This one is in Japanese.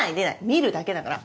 見るだけだから。